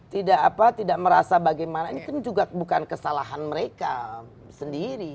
tidak merasa bagaimana ini bukan kesalahan mereka sendiri